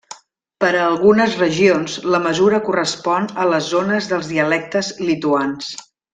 Per a algunes regions la mesura correspon a les zones dels dialectes lituans.